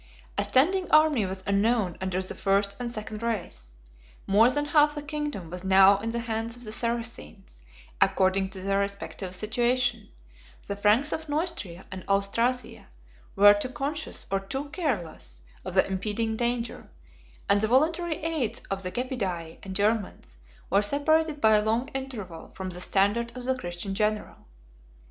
A standing army was unknown under the first and second race; more than half the kingdom was now in the hands of the Saracens: according to their respective situation, the Franks of Neustria and Austrasia were to conscious or too careless of the impending danger; and the voluntary aids of the Gepidae and Germans were separated by a long interval from the standard of the Christian general.